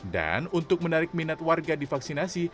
dan untuk menarik minat warga di vaksinasi